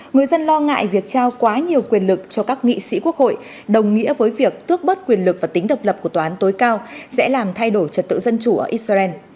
người dân lo ngại việc trao quá nhiều quyền lực cho các nghị sĩ quốc hội đồng nghĩa với việc tước bất quyền lực và tính độc lập của tòa án tối cao sẽ làm thay đổi trật tự dân chủ ở israel